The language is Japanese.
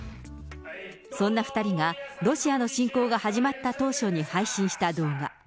そんな２人が、ロシアの侵攻が始まった当初に配信した動画。